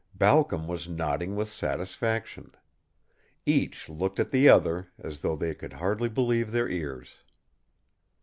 Balcom was nodding with satisfaction. Each looked at the other as though they could hardly believe their ears.